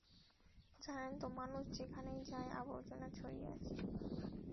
জানেন তো, মানুষ যেখানেই যায় আবর্জনা ছড়িয়ে আসে।